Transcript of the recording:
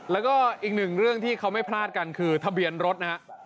แล้วอีกเรื่องที่เขาไม่พลาดกันทะเบียนรถ